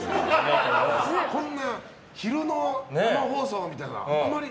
こんな昼の生放送みたいなのはあまり。